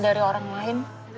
aku orang lain